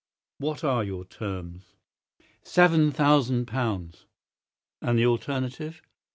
"What are your terms?" "Seven thousand pounds." "And the alternative?"